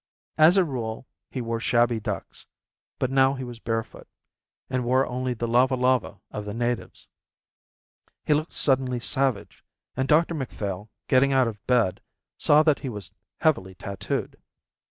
As a rule he wore shabby ducks, but now he was barefoot and wore only the lava lava of the natives. He looked suddenly savage, and Dr Macphail, getting out of bed, saw that he was heavily tattooed.